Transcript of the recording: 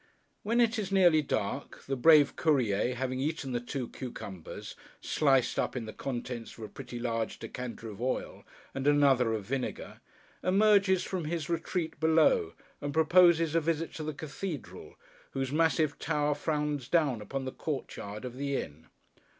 When it is nearly dark, the brave Courier, having eaten the two cucumbers, sliced up in the contents of a pretty large decanter of oil, and another of vinegar, emerges from his retreat below, and proposes a visit to the Cathedral, whose massive tower frowns down upon the court yard of the inn.